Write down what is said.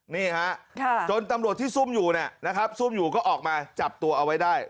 นี่ฮะจนตำรวจที่ซุ่มอยู่เนี่ยนะครับซุ่มอยู่ก็ออกมาจับตัวเอาไว้ได้